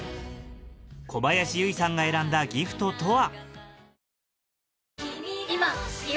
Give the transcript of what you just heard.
小林由依さんが選んだギフトとは？